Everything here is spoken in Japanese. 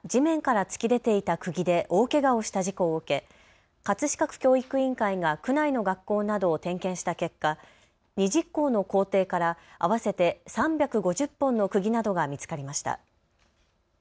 東京杉並区の小学校の校庭で先月、児童が地面から突き出ていたくぎで大けがをした事故を受け葛飾区教育委員会が区内の学校などを点検した結果２０校の校庭から合わせて３５０本のくぎなどが見つかりました。